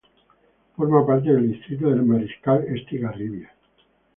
Forma parte del distrito de Mariscal Estigarribia.